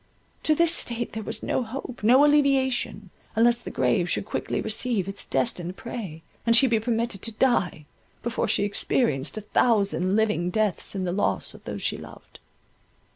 To this state there was no hope, no alleviation, unless the grave should quickly receive its destined prey, and she be permitted to die, before she experienced a thousand living deaths in the loss of those she loved.